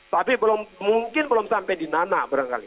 tapi mungkin belum sampai di nana